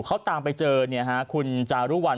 เขาตามไปเจอคุณจารุวัล